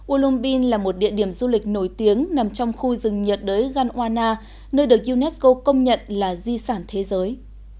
uolumbin là một địa điểm du lịch nổi tiếng nằm trong khu rừng nhiệt đới ghanwana nơi được unesco công nhận là di sản thế giới